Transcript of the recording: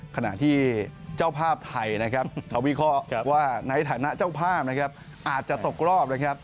ขณะที่เจ้าภาพไทยเขาวิเคราะห์ว่าในฐานะเจ้าภาพอาจจะตกรอบ